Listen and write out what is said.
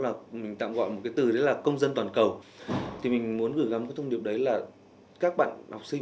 lúc đầu thì không có